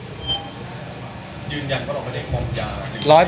ยืนยันว่าเราเป็นเด็กฟองจาหรอครับ